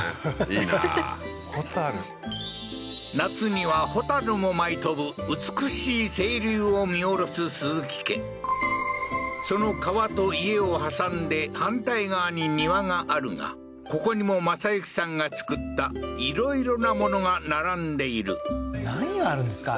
いいなー蛍夏には蛍も舞い飛ぶ美しい清流を見下ろす鈴木家その川と家を挟んで反対側に庭があるがここにも正行さんが造ったいろいろな物が並んでいる何があるんですか？